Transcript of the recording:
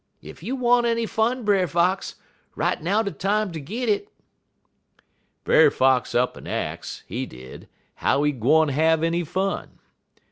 Ef you want any fun, Brer Fox, right now de time ter git it.' "Brer Fox up'n ax, he did, how he gwine have any fun.